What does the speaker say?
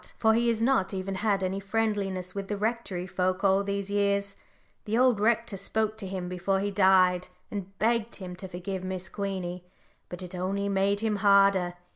For he has not even had any friendliness with the Rectory folk all these years; the old rector spoke to him before he died, and begged him to forgive Miss Queenie, but it only made him harder.